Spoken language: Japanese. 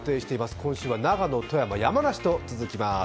今週は長野、富山、山梨と続きます。